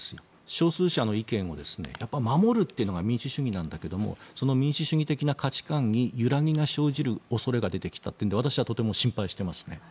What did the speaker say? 少数者の意見を守るというのが民主主義なんだけど民主主義的な価値観に揺らぎが生じる恐れが出てきたというので私はとても心配していますね。